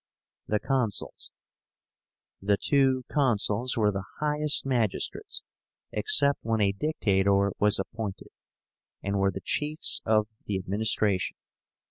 THE CONSULS. The two Consuls were the highest magistrates, except when a Dictator was appointed, and were the chiefs of the administration.